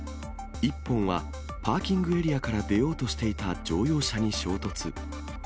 １本はパーキングエリアから出ようとしていた乗用車に衝突。